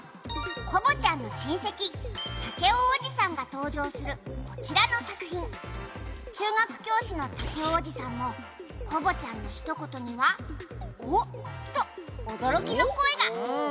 「コボちゃんの親戚タケオおじさんが登場するこちらの作品」「中学教師のタケオおじさんもコボちゃんのひと言には“オ”と驚きの声が！」